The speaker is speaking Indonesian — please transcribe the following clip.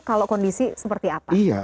kalau kondisi seperti apa